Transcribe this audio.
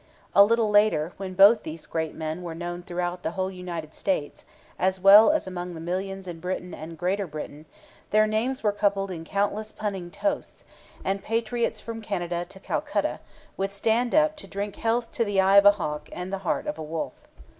A little later, when both these great men were known throughout the whole United Service, as well as among the millions in Britain and in Greater Britain, their names were coupled in countless punning toasts, and patriots from Canada to Calcutta would stand up to drink a health to 'the eye of a Hawke and the heart of a Wolfe.'